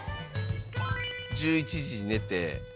１１時に寝て。